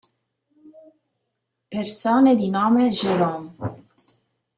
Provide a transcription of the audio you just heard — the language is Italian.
Persone di nome Jérôme